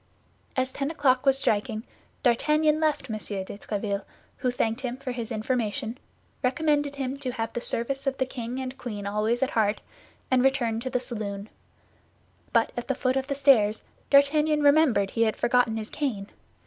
As ten o'clock was striking, D'Artagnan left M. de Tréville, who thanked him for his information, recommended him to have the service of the king and queen always at heart, and returned to the saloon; but at the foot of the stairs, D'Artagnan remembered he had forgotten his cane.